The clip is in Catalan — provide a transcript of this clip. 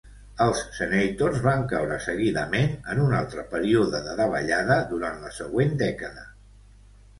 Els Senators van caure seguidament en un altre període de davallada durant la següent dècada.